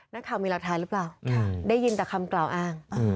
นักข่าวมีหลักฐานหรือเปล่าได้ยินแต่คำกล่าวอ้าง